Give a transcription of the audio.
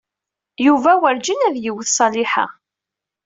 Yuba wurǧin ad yewwet Ṣaliḥa.